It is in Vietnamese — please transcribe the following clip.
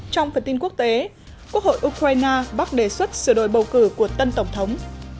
trong phần tin quốc tế quốc hội ukraine bác đề xuất sửa đổi bầu cử của tân tổng thống